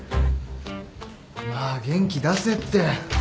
まあ元気出せって。